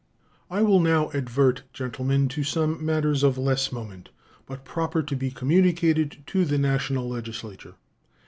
I will now advert, gentlemen, to some matters of less moment, but proper to be communicated to the National Legislature.